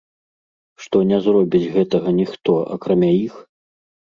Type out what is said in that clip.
Што не зробіць гэтага ніхто, акрамя іх?